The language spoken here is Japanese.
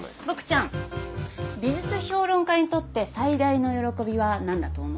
ボクちゃん美術評論家にとって最大の喜びは何だと思う？